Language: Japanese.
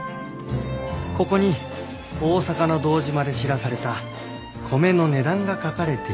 ここに大坂の堂島で知らされた米の値段が書かれていたんですね。